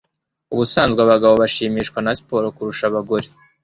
Ubusanzwe abagabo bashimishwa na siporo kurusha abagore